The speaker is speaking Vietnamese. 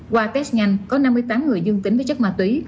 qua test nhanh có năm mươi tám người dương tính với chất ma túy